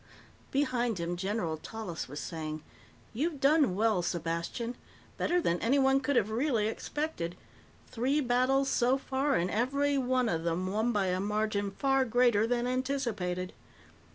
Behind him, General Tallis was saying, "You've done well, Sepastian. Better than anyone could have really expected. Three battles so far, and every one of them won by a margin far greater than anticipated.